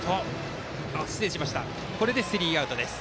これでスリーアウトです。